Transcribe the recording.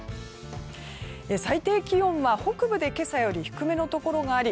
最低気温は北部で今朝より低めのところがあり